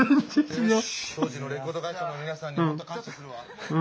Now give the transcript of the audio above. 当時のレコード会社の皆さんに本当感謝するわ。